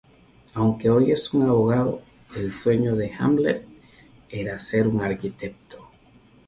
Aunque hoy es un abogado, el sueño de Hamlet era ser un arquitecto.